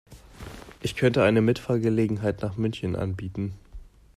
Ich könnte eine Mitfahrgelegenheit nach München anbieten